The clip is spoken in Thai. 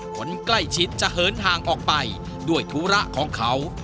คนใกล้ชิดจะเหินห่างออกไปด้วยธุระของเขา